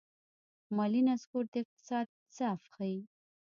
مالي نسکور د اقتصاد ضعف ښيي.